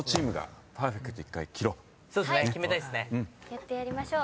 やってやりましょう。